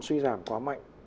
suy giảm quá mạnh